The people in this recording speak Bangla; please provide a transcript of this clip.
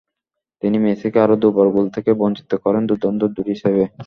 তিনি মেসিকে আরও দুবার গোল থেকে বঞ্চিত করেন দুর্দান্ত দুটি সেভে।